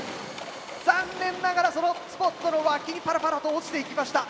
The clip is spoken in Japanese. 残念ながらそのスポットの脇にパラパラと落ちていきました。